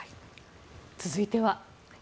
続いては。